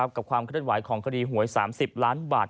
ความเคลื่อนไหวของคดีหวย๓๐ล้านบาท